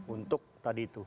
untuk tadi itu